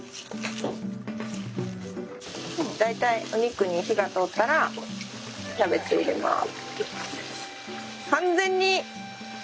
大体お肉に火が通ったらキャベツ入れます。